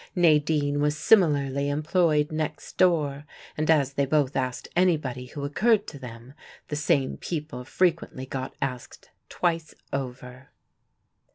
Nadine was similarly employed next door, and as they both asked anybody who occurred to them, the same people frequently got asked twice over.